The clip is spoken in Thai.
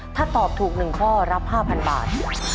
ถ้าตอบถูก๑ข้อรับ๕๐๐บาท